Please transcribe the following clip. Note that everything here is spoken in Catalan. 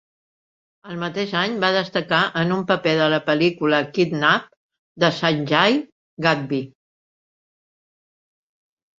El mateix any, va destacar en un paper de la pel·lícula "Kidnap", de Sanjay Gadhvi.